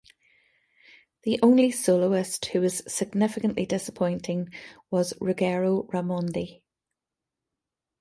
The only soloist who was significantly disappointing was Ruggero Raimondi.